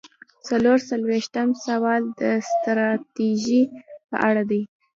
څلور څلویښتم سوال د ستراتیژۍ په اړه دی.